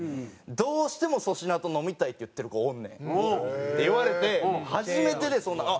「“どうしても粗品と飲みたい”って言ってる子おんねん」って言われて初めてでそんなん。